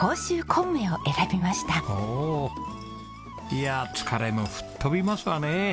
いやあ疲れも吹っ飛びますわねえ。